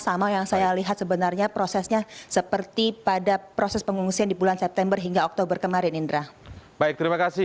sama yang saya lihat sebenarnya prosesnya seperti pada proses pengungsian di bulan september hingga oktober kemarin indra